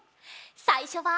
さいしょは。